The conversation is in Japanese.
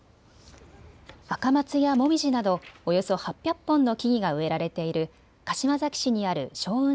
アカマツやもみじなどおよそ８００本の木々が植えられている柏崎市にある松雲